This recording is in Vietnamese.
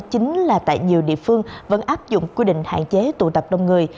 chính là tại nhiều địa phương vẫn áp dụng quy định hạn chế tụ tập đông người